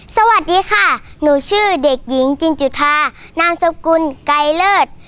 สวัสดีค่ะหนูชื่อเด็กหญิงจินจุธานามสกุลไกลเลิศ